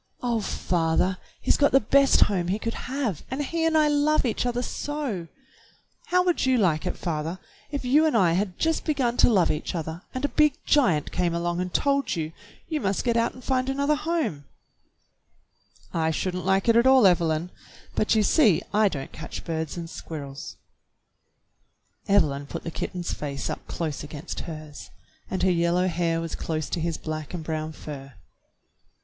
"Oh, father, he's got the best home he could have, and he and I love each other so ! How would you like it, father, if you and I had just begun to love each other and a big giant came along and told you, you must get out and find another home?" 30 THE BLUE AUNT "I should n't like it at all, Evelyn, but you see I don't catch birds and squirrels." Evelyn put the kitten's face up close against hers, and her yellow hair was close to his black and brown fur.